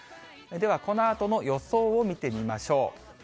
ではこのあとの予想を見てみましょう。